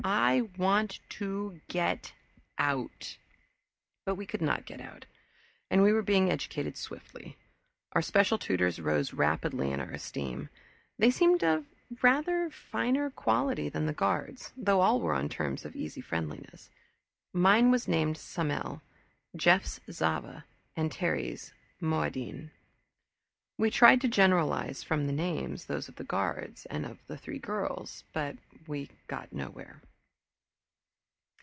I want to Get Out!" But we could not get out, and we were being educated swiftly. Our special tutors rose rapidly in our esteem. They seemed of rather finer quality than the guards, though all were on terms of easy friendliness. Mine was named Somel, Jeff's Zava, and Terry's Moadine. We tried to generalize from the names, those of the guards, and of our three girls, but got nowhere.